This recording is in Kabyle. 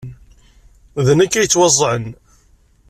D nekk ay yettwaẓẓɛen.